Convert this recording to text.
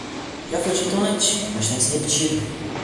Já foi dito antes, mas tem que ser repetido.